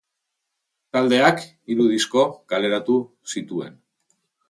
Taldeak hiru disko kaleratu zituen.